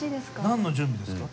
何の準備ですか？